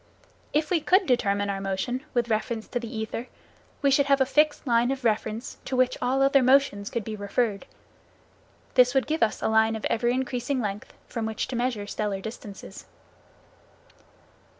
If we could determine our motion with reference to the ether, we should have a fixed line of reference to which all other motions could be referred. This would give us a line of ever increasing length from which to measure stellar distances.